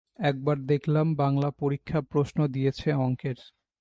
একবার দেখলাম বাংলা পরীক্ষা- প্রশ্ন দিয়েছে অঙ্কের।